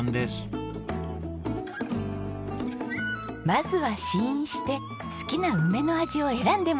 まずは試飲して好きな梅の味を選んでもらいましょう。